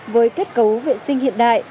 với kết cấu vệ sinh hiện đại